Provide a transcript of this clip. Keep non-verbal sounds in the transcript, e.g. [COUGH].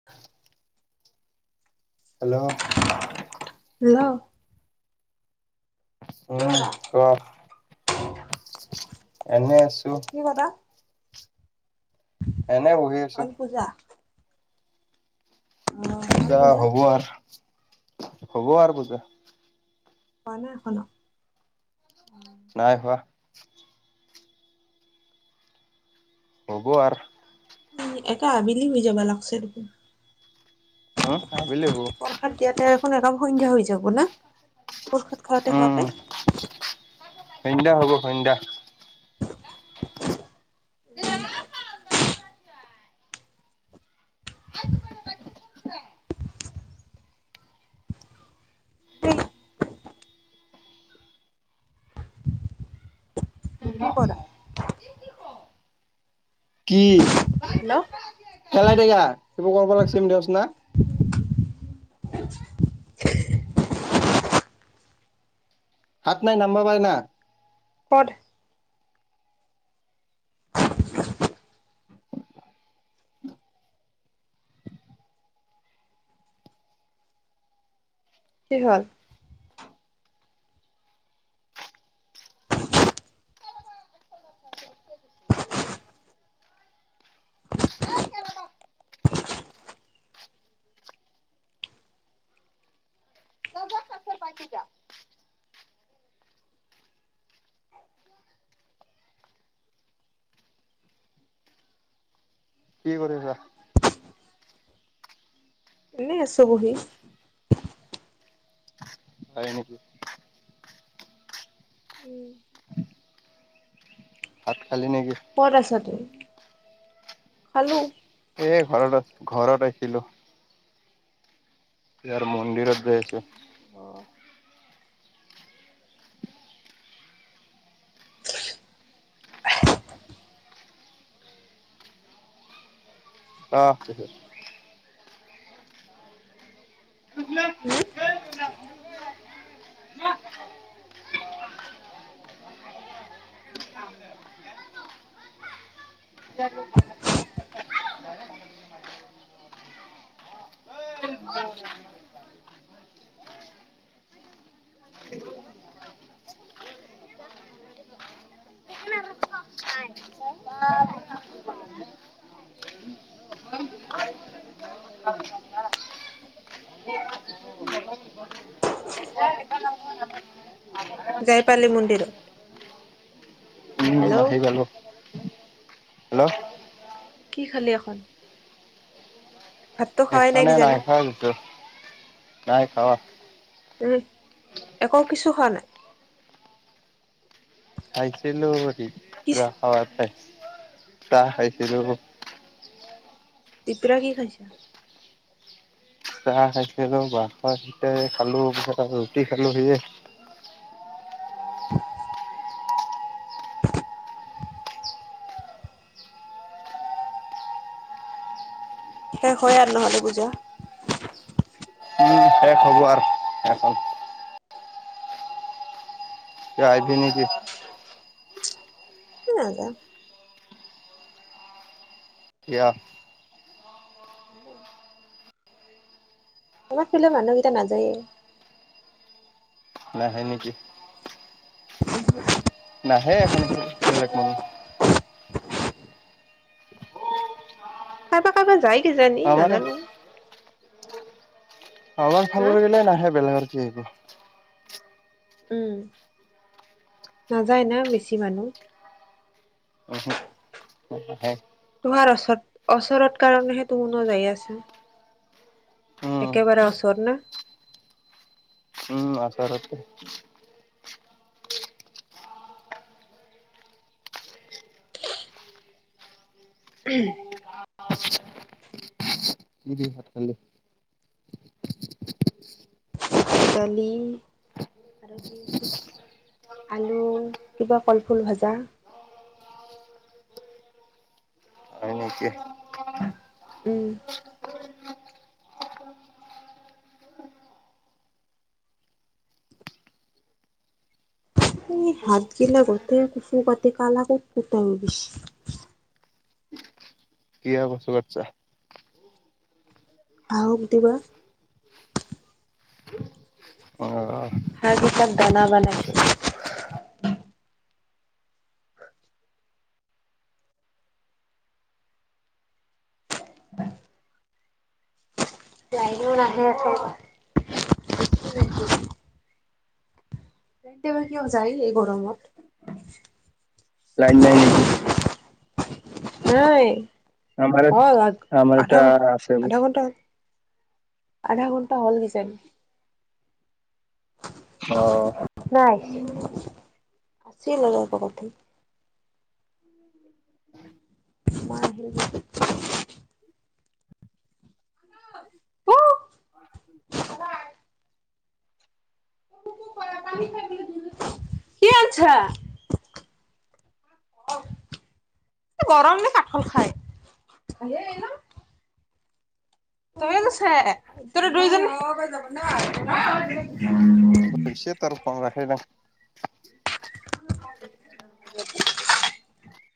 [INAUDIBLE] Hello? Hello? উম ক, এনে আছোঁ। কি কথা? এনেই বহি আছো [UNINTELLIGIBLE] পূজা। অ' হ'ল পূজা হ'ব আৰু, হ'ব আৰু পূজা। খোৱা নাই এখনো? নাই খোৱা। হ'ব আৰ। ই এতা আবেলি হৈ যাবা লাগছে দেখোন। অ', আবেলি হ'ব। পৰসাদ দিয়াতে দেখোন এদম সন্ধ্যা হৈ যাব না? পৰসাদ খুৱাতে, উম খুৱাতে সন্ধ্যা হ'ব, সন্ধ্যা। [UNINTELLIGIBLE] এই কি কৰা [UNINTELLIGIBLE] কি? হেল্ল'? খেলাই দে ইয়াক এইবোৰ কৰব লাগছিল [UNINTELLIGIBLE] হাত নাই নাম্বা পাই না। [INAUDIBLE] কি হ'ল? কি কৰিছা? এনেই আছো, বহি। হয় নেকি? উম ভাত খালি নে কি? ক'ত আছা তুই? খালো। এ ঘৰত আছি ঘৰত আছিলো। ইয়াৰ মন্দিৰত গৈ আছো। অ', ক। [UNINTELLIGIBLE] [UNINTELLIGIBLE] যাই পালি মন্দিৰত? উম, হেল্ল' আহি পালো। হেল্ল' কি খালি এখন? ভাতটো খোৱাই এখানেই নাই কিজানি খোৱা [UNINTELLIGIBLE] নাই খাৱা [UNINTELLIGIBLE] এক কিছু খোৱা নাই? খাইছিলো কি দিপৰা খাৱা খাইছ চাহ খাইছিলো। দিপৰীয়া কি খাইছা? চাহ খাইছিলো [UNINTELLIGIBLE] খালোঁ পিছত আকৌ ৰুটি খালোঁ সেয়ে। অ', শেষ হয় আৰ নহ'লে পূজা? অ, শেষ হ'ব আৰ, তাৰপিছত তই আহিবি নে কি? উম নাযাও। কিয়? এনেই। আমাৰ ফালে মানুহকেইটা নাযায়ে। নাহে নেকি? [UNINTELLIGIBLE] নাহে এখনত থাকি বেলেগ মানু্হ। কাৰবাৰ কাৰবাৰ যায় কিজানি আমাৰে নাজানো। আমাৰ হা ফালৰ গিলাই নাহে বেলেগৰ কি আহিব? উম, নাযায় না বেছি মানুহ? হয়। তোহাৰ অচৰত অচৰত কাৰণেহে তুহোনো যায় আছা। উম, একেবাৰে ওচৰত ন? উম, ওচৰতে। [INAUDIBLE] কি দি ভাত খালি? দালি আৰু কি আছিল আলু কিবা কলফুল ভাজা। হয় নেকি? উম এ হাত গিলা গোটে কচু কাটি কালা [UNINTELLIGIBLE] গৈছে। কিয় কচু কাটছা? হাঁহক দিব। অ' তাৰ পিছত দানা বানাইছোঁ লাইনো নাহে [UNINTELLIGIBLE] লাইনটো‌ বা কিয় যায় এই গৰমত লাইন নাই নেকি নাই আমাৰ হ'ল আ আমাৰ আধা এটা ঘ আছে, আধা ঘণ্টা হ'ল আধা ঘণ্টা হ'ল কিজানি অ' কোৱা আছিল অলপ আগতে মা আহিল [UNINTELLIGIBLE] কি আনছা গৰম নে কাঠল খায় [UNINTELLIGIBLE] [INAUDIBLE] [INAUDIBLE] [INAUDIBLE]